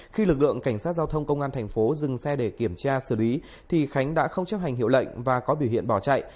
khi lực lượng cảnh sát giao thông công an thành phố dừng xe để kiểm tra xử lý thì khánh đã không chấp hành hiệu lệnh và có biểu hiện bỏ chạy